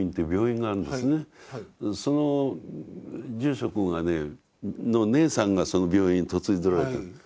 その住職の姉さんがその病院に嫁いでおられたんです。